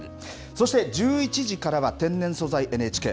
そして１１時からは、天然素材ＮＨＫ。